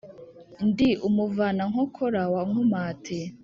Ndi umuvunankokora wa Nkomati